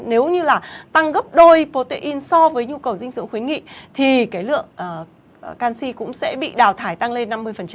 nếu như là tăng gấp đôi protein so với nhu cầu dinh dưỡng khuyến nghị thì cái lượng canxi cũng sẽ bị đào thải tăng lên năm mươi